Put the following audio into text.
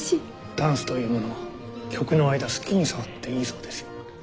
ダンスというものは曲の間好きに触っていいそうですよ。